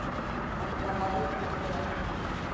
Alcalá de Gurrea.